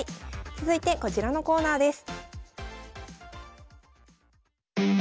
続いてこちらのコーナーです。